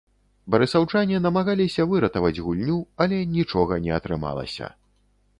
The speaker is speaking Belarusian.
Барысаўчане намагаліся выратаваць гульню, але нічога не атрымалася.